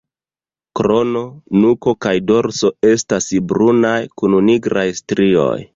Krono, nuko kaj dorso estas brunaj kun nigraj strioj.